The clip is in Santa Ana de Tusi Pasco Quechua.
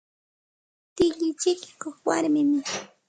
Tilli chikikuq warmimi.